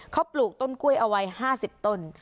เขาปลูกต้นกล้วยเอาไว้๕๐ต้น